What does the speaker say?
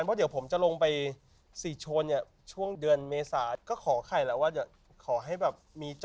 เพราะเดี๋ยวผมจะลงไปสี่โชนเนี่ยช่วงเดือนเมษาก็ขอไข่แล้วว่าเดี๋ยวขอให้แบบมี